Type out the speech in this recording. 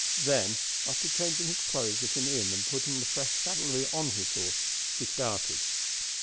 Then, after changing his clothes at an inn and putting the fresh saddlery on his horse, he started.